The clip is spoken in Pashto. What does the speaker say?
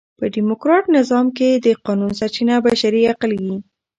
په ډیموکراټ نظام کښي د قانون سرچینه بشري عقل يي.